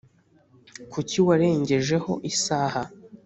kuki warengejeho isaha